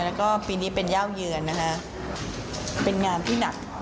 แล้วก็ปีนี้เป็นย่าวเยือนนะคะเป็นงานที่หนัก